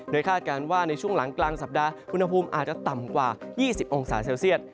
คาดการณ์ว่าในช่วงหลังกลางสัปดาห์อุณหภูมิอาจจะต่ำกว่า๒๐องศาเซลเซียต